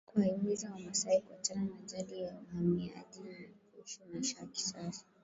kuwahimiza Wamasai kuachana na jadi ya uhamaji ili kuishi maisha ya kisasa